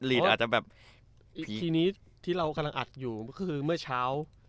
อีพีนี้ที่เรากำลังอัดอยู่ก็คือเมื่อเช้า